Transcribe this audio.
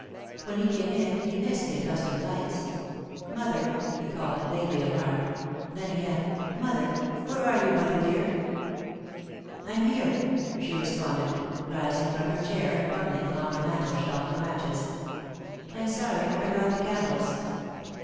When he came in, he missed the accustomed lights. "Mother!" he called, vaguely alarmed. Then, again: "Mother! Where are you, Mother dear?" "I'm here," she responded, rising from her chair and fumbling along the mantel shelf for matches. "I'm sorry I forgot the candles."